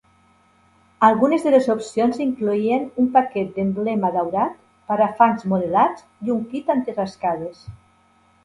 Algunes de les opcions incloïen un paquet d'emblema daurat, parafangs modelats i un kit anti-rascades.